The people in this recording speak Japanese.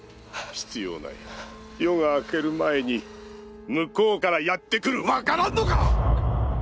必要ない夜が明ける前に向こうからやってくる分からんのか！